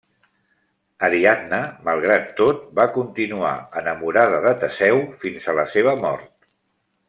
Ariadna, malgrat tot, va continuar enamorada de Teseu fins a la seva mort.